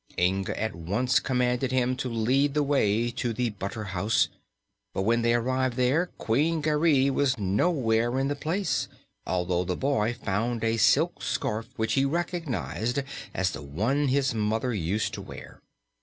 Inga at once commanded him to lead the way to the butter house, but when they arrived there Queen Garee was nowhere in the place, although the boy found a silk scarf which he recognized as one that his mother used to wear.